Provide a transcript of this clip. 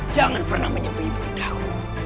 jangan pernah menyentuh ibu undah aku